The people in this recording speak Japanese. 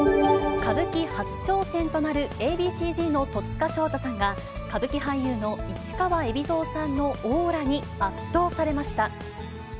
歌舞伎初挑戦となるＡ．Ｂ．ＣーＺの戸塚祥太さんが、歌舞伎俳優の市川海老蔵さんのオーラに圧倒されました。